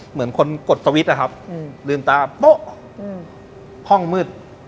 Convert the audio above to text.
เหมือนคนกดสวิตช์นะครับลืมตาโป๊ะห้องมืด